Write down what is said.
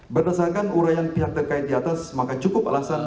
berdasarkan urayan pihak terkait di atas maka cukup alasan